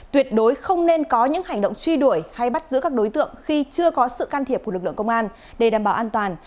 tuyệt đối không nên có những hành động truy đuổi hay bắt giữ các đối tượng khi chưa có sự can thiệp của lực lượng công an để đảm bảo an toàn